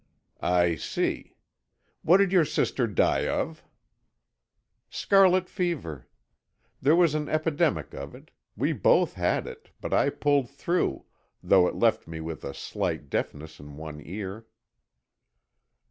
"I see. What did your sister die of?" "Scarlet fever. There was an epidemic of it. We both had it, but I pulled through, though it left me with a slight deafness in one ear."